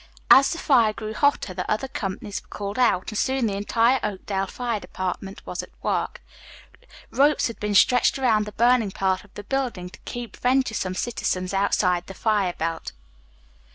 As the fire grew hotter, the other companies were called out, and soon the entire Oakdale Fire Department was at work. Ropes had been stretched around the burning part of the building to keep venturesome citizens outside the fire belt.